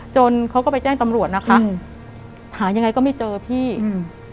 เขาก็ไปแจ้งตำรวจนะคะอืมหายังไงก็ไม่เจอพี่อืม